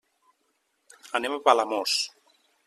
Anem a Palamós.